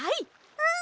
うん！